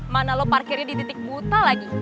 mana lo parkirnya di titik buta lagi